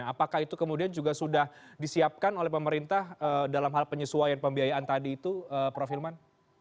apakah itu kemudian juga sudah disiapkan oleh pemerintah dalam hal penyesuaian pembiayaan tadi itu prof hilman